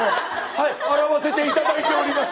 「はい洗わせていただいております」。